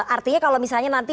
artinya kalau misalnya nanti